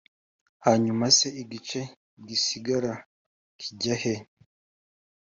hanyuma se igice gisigara kijya he?